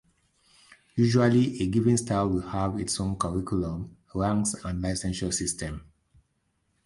Usually a given style will have its own curriculum, ranks and licensure system.